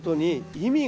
意味？